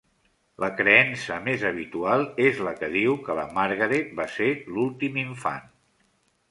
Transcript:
La creença més habitual és la que diu que la Margaret va ser l'últim infant.